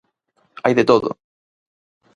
Hai de todo!